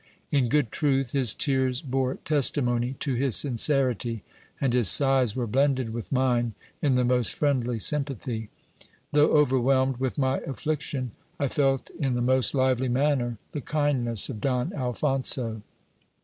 In good truth, his tears bore testimony to his sincerity, and his sighs were blended with mine in the most friendly sympathy. Though overwhelmed with my affliction, I felt in the most lively manner the kindness of Don Alphonso.